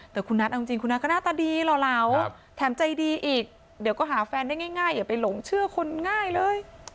แต่คุณนัทเอาจริงคุณนัทก็หน้าตาดีหล่อเหลาแถมใจดีอีกเดี๋ยวก็หาแฟนได้ง่ายอย่าไปหลงเชื่อคนง่ายเลย